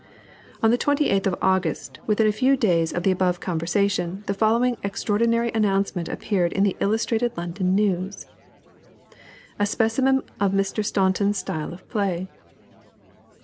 On the 28th of August, within a few days of the above conversation, the following extraordinary announcement appeared in the Illustrated London News: A SPECIMEN OF MR. STAUNTON'S STYLE OF PLAY.